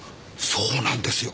そうなんですよ！